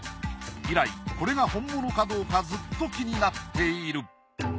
以来これが本物かどうかずっと気になっている。